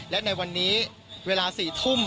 และในวันนี้เวลา๔ทุ่ม